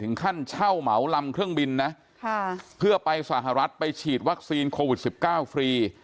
ขั้นเช่าเหมาลำเครื่องบินนะเพื่อไปสหรัฐไปฉีดวัคซีนโควิด๑๙ฟรี